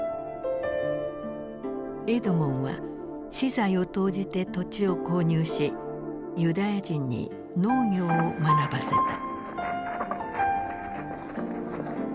エドモンは私財を投じて土地を購入しユダヤ人に農業を学ばせた。